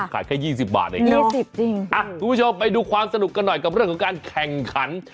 ขายแค่๒๐บาทเองคุณผู้ชมไปดูความสนุกกันหน่อยกับเรื่องของการแข่งขัน